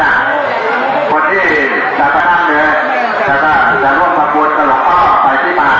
อัพโดยดินไลน์ยากและดินพุษหลักหัวทาง